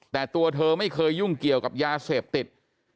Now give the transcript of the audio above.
แต่ตัวเธอไม่เคยยุ่งเกี่ยวกับยาเสพติด